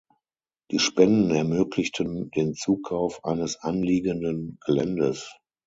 Die Spenden ermöglichten den Zukauf eines anliegenden Geländes.